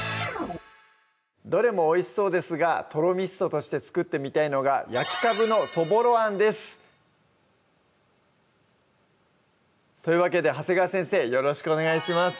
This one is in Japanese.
どれもおいしそうですがとろみストとして作ってみたいのが「焼きカブのそぼろあん」ですというわけで長谷川先生よろしくお願いします